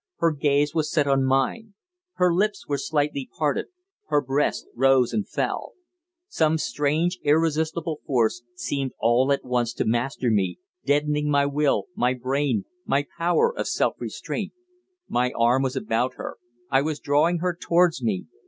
Her gaze was set on mine. Her lips were slightly parted. Her breast rose and fell. Some strange, irresistible force seemed all at once to master me, deadening my will, my brain, my power of self restraint. My arm was about her; I was drawing her towards me.